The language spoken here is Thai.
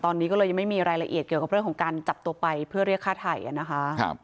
ตอนนี้ก็เลยยังไม่มีรายละเอียดเกี่ยวกับเรื่องของการจับตัวไปเพื่อเรียกฆ่าไทยนะคะ